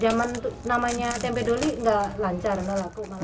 gak lancar malah aku malah